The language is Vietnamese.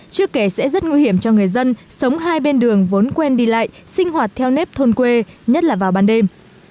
chưa kể sẽ rất nguy hiểm cho người dân sống hai bên đường vốn quen đi lại sinh hoạt theo nếp thôn quê nhất là vào ban đêm